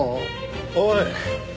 おい。